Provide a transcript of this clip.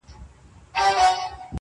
په کمال کي د خبرو یک تنها وو.!